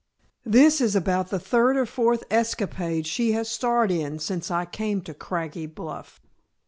This is about the third or fourth escapade she has starred in since I came to Craggy Bluff."